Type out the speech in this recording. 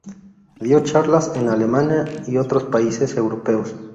Dio charlas en Alemania y otros países europeos.